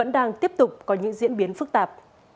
đang tiếp tục có những diễn biến phức tạp